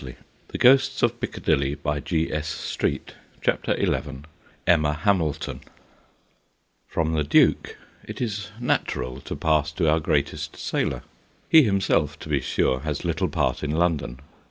176 THE GHOSTS OF PICCADILLY CHAPTER XI EMMA HAMILTON FROM the Duke, it is natural to pass to our greatest sailor. He himself, to be sure, has little part in London.